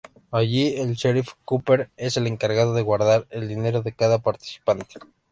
Allí, el sheriff Cooper es el encargado de guardar el dinero de cada participante.